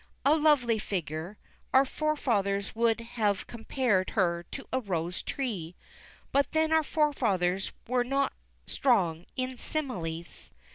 A lovely figure; our forefathers would have compared her to a rose tree, but then our forefathers were not strong in similes.